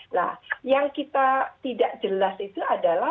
nah yang kita tidak jelas itu adalah